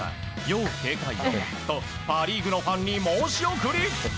要警戒をとパ・リーグのファンに申し送り。